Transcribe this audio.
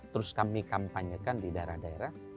terus kami kampanyekan di daerah daerah